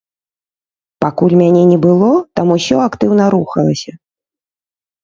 Пакуль мяне не было, там усё актыўна рухалася.